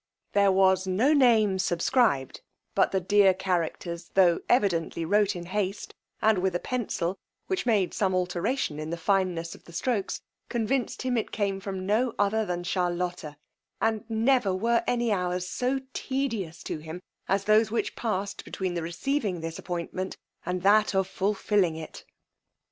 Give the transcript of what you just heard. There was no name subscribed; but the dear characters, tho' evidently wrote in haste and with a pencil, which made some alteration in the fineness of the strokes, convinced him it came from no other than Charlotta; and never were any hours so tedious to him as those which past between the receiving this appointment, and that of the fulfilling it.